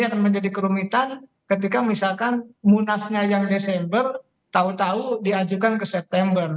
ini akan menjadi kerumitan ketika misalkan munasnya yang desember tahu tahu diajukan ke september